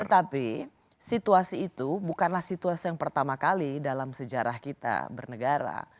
tetapi situasi itu bukanlah situasi yang pertama kali dalam sejarah kita bernegara